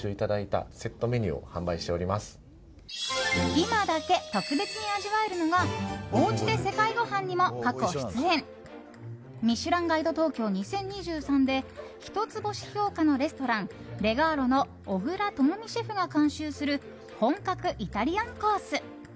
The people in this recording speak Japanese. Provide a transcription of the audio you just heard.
今だけ特別に味わえるのがおうちで世界ごはんにも過去出演「ミシュランガイド東京２０２３」で一つ星評価のレストランレガーロの小倉知巳シェフが監修する本格イタリアンコース。